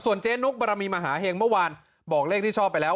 เจ๊นุกบรมีมหาเห็งเมื่อวานบอกเลขที่ชอบไปแล้ว